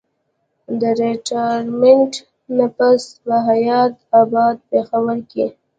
د ريټائرمنټ نه پس پۀ حيات اباد پېښور کښې